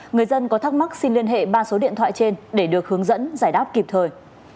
người dân có thắc mắc xin liên hệ ba số điện thoại trên để được hướng dẫn giải đáp kịp thời